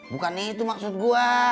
bukan itu maksud gue